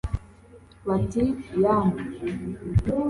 bati " yambu !"